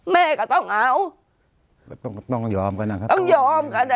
แม่ก็ต้องเอาต้องต้องยอมกันนะครับต้องยอมกันอ่ะ